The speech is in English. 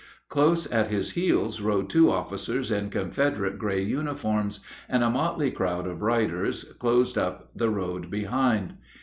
Close at his heels rode two officers in Confederate gray uniforms, and a motley crowd of riders closed up the road behind.